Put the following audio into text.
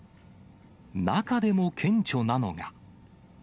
中でも顕著なのが。